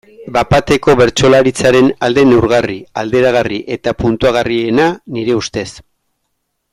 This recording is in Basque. Bat-bateko bertsolaritzaren alde neurgarri, alderagarri eta puntuagarriena, nire ustez.